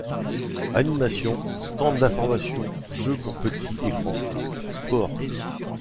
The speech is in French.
Animations, stands d'information, jeux pour petits et grands, sports...